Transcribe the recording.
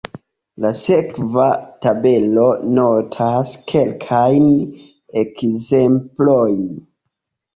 La sekva tabelo notas kelkajn ekzemplojn.